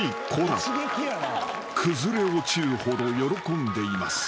［崩れ落ちるほど喜んでいます］